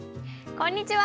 こんにちは。